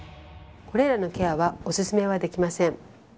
これらのケアはオススメはできません。